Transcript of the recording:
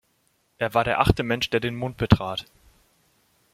Er war der achte Mensch, der den Mond betrat.